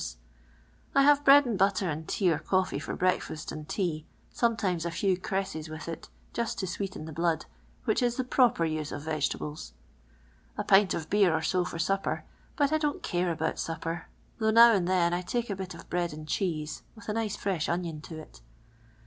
s*. I have 1 r ad and butter and t' a or coffee ft)r hr ak tast nnd :oa, si.nirtimes a few crewes with it just to sweeten the blood, which is the proper use of veiietable."'. A pint of beer or so for supper, but I di n't care about supper, though now and then I tike a bit of bread and cheese with a nice fre^h onion to it.